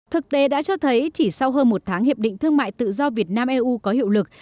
thực tế đã cho thấy chỉ sau hơn một tháng hiệp định thương mại tự do việt nam eu có hiệu lực